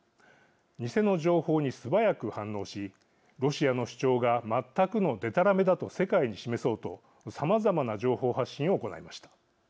偽の情報に素早く反応しロシアの主張が全くのでたらめだと世界に示そうとさまざまな情報発信を行いました。